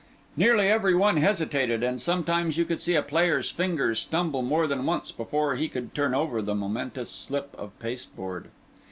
Nearly every one hesitated; and sometimes you would see a player's fingers stumble more than once before he could turn over the momentous slip of pasteboard.